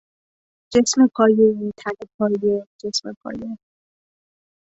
جسم پایهای، تنپایه، جسم پایه